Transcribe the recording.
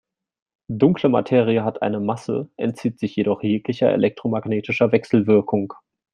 Dunkle Materie hat eine Masse, entzieht sich jedoch jeglicher elektromagnetischer Wechselwirkung.